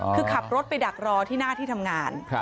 คือขับรถไปดักรอที่หน้าที่ทำงาน